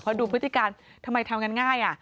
เพราะดูพฤติการทำไมทำงานง่าย